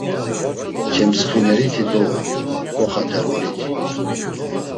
Cemtsxvineriti dou, ǩoxa termoniti.